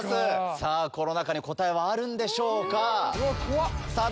さぁこの中に答えはあるんでしょうか？